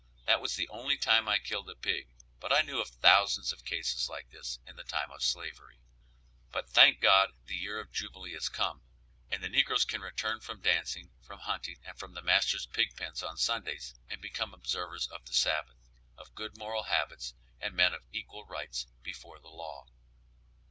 That was the only time I killed a pig, but I knew of thousands of cases like this in the time of slavery. But thank God, the year of Jubilee has come, and the negroes can return from dancing, from hunting, and from the master's pig pens on Sundays and become observers of the Sabbath, of good moral habits and men of equal rights before the law.